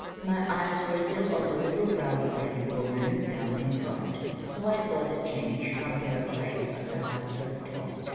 My eyes were still on the little brown clad woman down in front, so I saw the change come to her face as her husband talked.